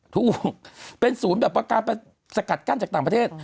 ถูกเป็นศูนย์แบบประการสกัดกั้นจากต่างประเทศ